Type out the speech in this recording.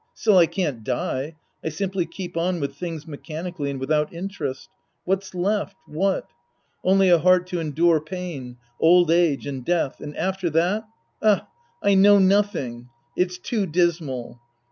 Still I can't die. I simply keep on with things mechanically and without interest. What's left, what ? Only a heart to endure pain, old age and death, and after that, — ah, I know nothing ! It's too dismal.